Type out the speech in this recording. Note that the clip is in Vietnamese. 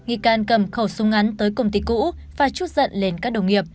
nghi can cầm khẩu súng ngắn tới công ty cũ và chút giận lên các đồng nghiệp